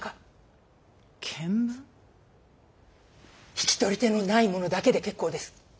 引き取り手のないものだけで結構です。